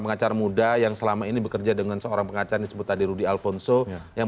pengacara muda yang selama ini bekerja dengan seorang pengacara disebut tadi rudy alfonso yang